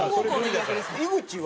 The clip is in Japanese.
井口は？